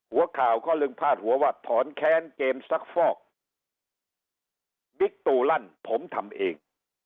หัวข่าวก็ลึงพาดหัวว่าถอนแค้นเกมซักฟอกบิ๊กตูลั่นผมทำเอง